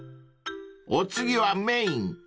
［お次はメイン］